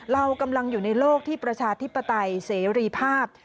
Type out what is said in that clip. เรากำลังอยู่ในโลกที่ประชาธิปไตยเสรีภาพ